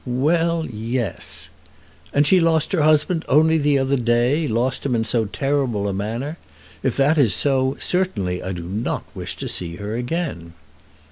"Well; yes." "And she lost her husband only the other day, lost him in so terrible a manner! If that is so, certainly I do not wish to see her again."